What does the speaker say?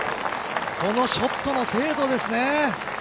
このショットの精度ですね。